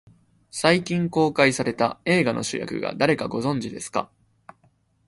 最近公開された映画の主役が誰か、ご存じですか。